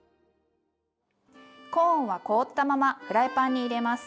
コーンは凍ったままフライパンに入れます。